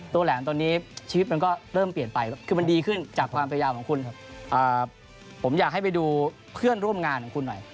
แหลมตอนนี้ชีวิตมันก็เริ่มเปลี่ยนไปคือมันดีขึ้นจากความพยายามของคุณครับผมอยากให้ไปดูเพื่อนร่วมงานของคุณหน่อย